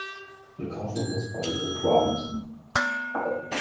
The cover was by Lloyd Robinson.